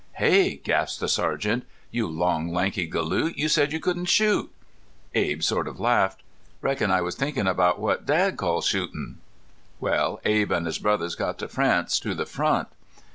'Hey!' gasped the sergeant, 'you long, lanky galoot! You said you couldn't shoot.' Abe sort of laughed. 'Reckon I was thinkin' about what Dad called shootin'.'... Well, Abe and his brothers got to France to the front.